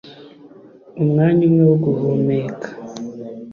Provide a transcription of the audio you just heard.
umwanya umwe wo guhumeka,